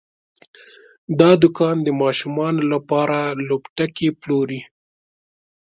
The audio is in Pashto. دا دوکان د ماشومانو لپاره لوبتکي پلوري.